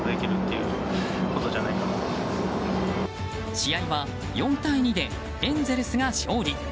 試合は４対２でエンゼルスが勝利。